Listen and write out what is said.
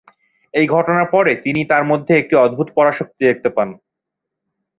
এই ঘটনার পরে তিনি তার মধ্যে একটি অদ্ভুত পরাশক্তি দেখতে পান।